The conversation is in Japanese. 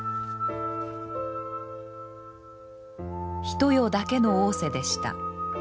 一夜だけの逢瀬でした。